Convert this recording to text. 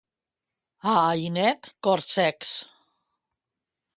A Ainet, corsecs.